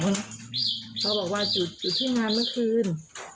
เขาบอกว่าจุดที่งานเมื่อคืน